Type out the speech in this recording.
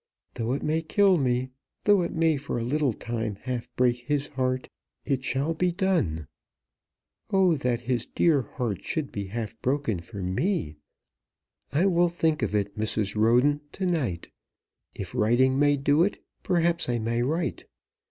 Though it may kill me, though it may for a little time half break his heart, it shall be done! Oh, that his dear heart should be half broken for me! I will think of it, Mrs. Roden, to night. If writing may do it, perhaps I may write.